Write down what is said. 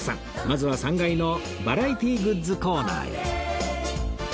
まずは３階のバラエティグッズコーナーへ